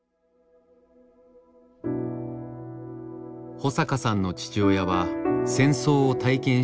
保阪さんの父親は戦争を体験した世代でした。